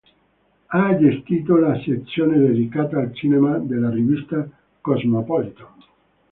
Ha gestito la sezione dedicata al cinema della rivista "Cosmopolitan".